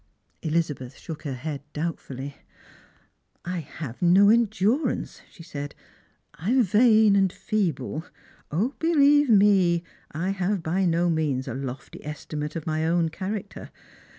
Elizabeth shook her head doubtfully. " I have no endurance," she said ;" I am vain and feeble. O, believe me, I have by no means a lofty estimate of my own character.